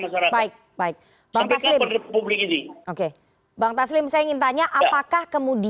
masjarakat baik baik karena thu